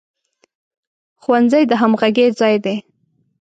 ښوونځی د همغږۍ ځای دی